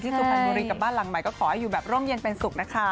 สุพรรณบุรีกับบ้านหลังใหม่ก็ขอให้อยู่แบบร่มเย็นเป็นสุขนะคะ